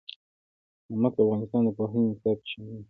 نمک د افغانستان د پوهنې نصاب کې شامل دي.